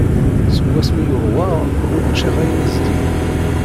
Seg wasmi i yurweɣ, ur ččiɣ ayen zeddigen.